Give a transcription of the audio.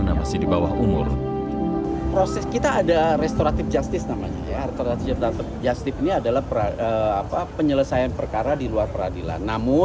kita sedang melakukan